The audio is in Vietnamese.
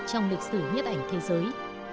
trong lịch sử nhếp ảnh thế giới